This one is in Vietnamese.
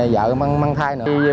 vợ mang thai nữa